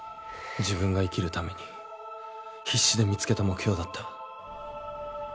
自分が生きるために必死で見つけた目標だった。